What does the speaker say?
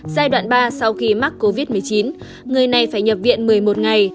giai đoạn ba sau khi mắc covid một mươi chín người này phải nhập viện một mươi một ngày